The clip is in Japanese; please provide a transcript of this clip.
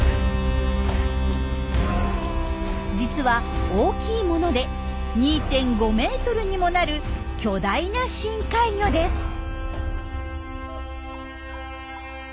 実は大きいもので２．５ｍにもなる巨大な深海魚です。